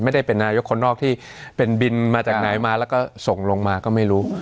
ไม่ได้เป็นนายกคนนอกที่เป็นบินมาจากไหนมาแล้วก็ส่งลงมาก็ไม่รู้